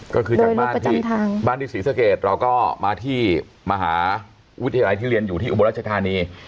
ก็คือจากบ้านที่บ้านที่ศรีสะเกดเราก็มาที่มหาวิทยาลัยที่เรียนอยู่ที่อุบลรัชธานี